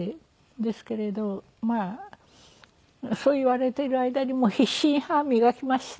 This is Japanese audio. ですけれどまあそう言われている間にも必死に歯磨きました。